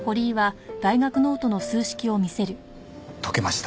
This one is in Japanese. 解けました。